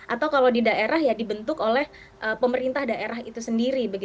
atau kalau di daerah ya dibentuk oleh pemerintah daerah itu sendiri